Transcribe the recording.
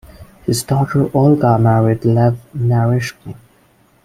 His daughter Olga married Lev Naryshkin.